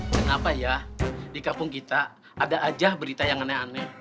kenapa ya di kampung kita ada aja berita yang aneh aneh